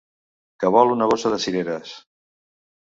Que vol una bossa de cireres!